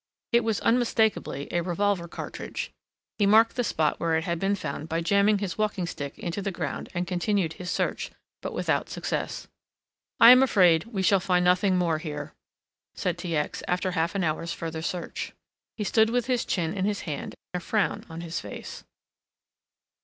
It was unmistakably a revolver cartridge. He marked the spot where it had been found by jamming his walking stick into the ground and continued his search, but without success. "I am afraid we shall find nothing more here," said T. X., after half an hour's further search. He stood with his chin in his hand, a frown on his face.